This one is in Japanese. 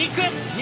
肉！